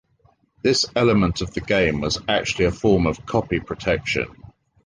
This element of the game was actually a form of copy protection.